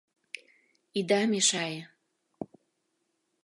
— Ида мешае.